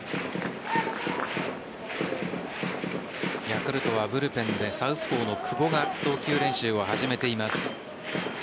ヤクルトはブルペンでサウスポーの久保が投球練習を始めています。